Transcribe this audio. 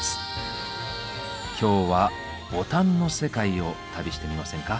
今日はボタンの世界を旅してみませんか？